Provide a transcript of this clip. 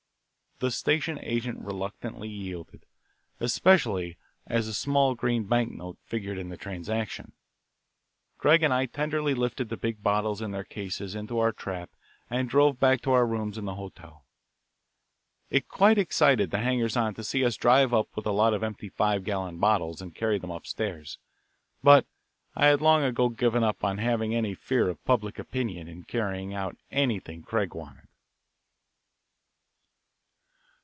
The station agent reluctantly yielded; especially as a small green banknote figured in the transaction. Craig and I tenderly lifted the big bottles in their cases into our trap and drove back to our rooms in the hotel. It quite excited the hangers on to see us drive up with a lot of empty five gallon bottles and carry them up stairs, but I had long ago given up having any fear of public opinion in carrying out anything Craig wanted.